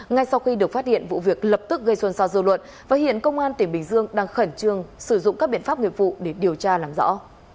ngay sau khi được phát hiện vụ việc lập tức gây xôn xao dư luận và hiện công an tỉnh bình dương đang khẩn trương sử dụng các biện pháp nghiệp vụ để điều tra làm rõ